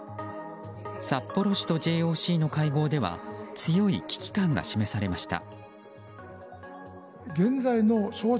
札幌市とＪＯＣの会合では強い危機感が示されました。